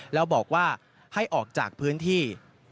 แล้วบอกว่าให้ออกจากพื้นที่